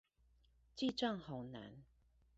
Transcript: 記帳好難